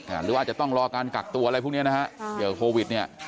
หรือว่าอาจจะต้องรอการกักตัวอะไรพวกเนี้ยนะฮะเดี๋ยวโควิดเนี่ย